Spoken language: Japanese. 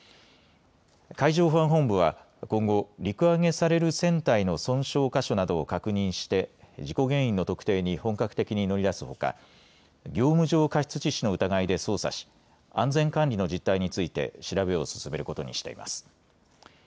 海上保安本部は今後、陸揚げされる船体の損傷箇所などを確認して事故原因の特定に本格的に乗り出すほか業務上過失致死の疑いで捜査し安全管理の実態について調べを進めることにしています。